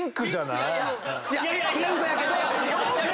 いやピンクやけど。